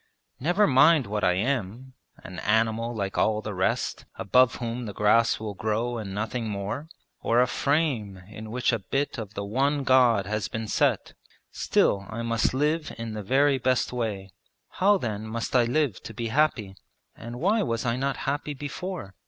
Never mind what I am an animal like all the rest, above whom the grass will grow and nothing more; or a frame in which a bit of the one God has been set, still I must live in the very best way. How then must I live to be happy, and why was I not happy before?'